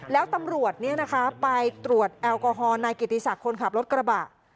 แล้วตำรวจไปตรวจแอลกอฮอลนายกิติศักดิ์คนขับรถกระบะ